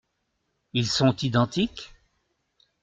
Ils sont identiques ?